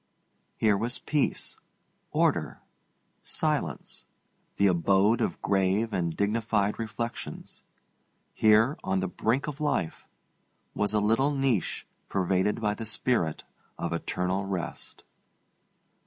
Here was peace, order, silence, the abode of grave and dignified reflections. Here, on the brink of life, was a little niche pervaded by the spirit of eternal rest.